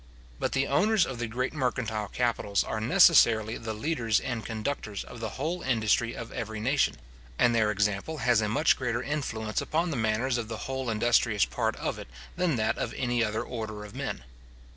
But the owners of the great mercantile capitals are necessarily the leaders and conductors of the whole industry of every nation; and their example has a much greater influence upon the manners of the whole industrious part of it than that of any other order of men.